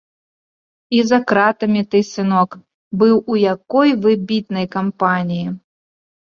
І за кратамі ты, сынок, быў у якой выбітнай кампаніі!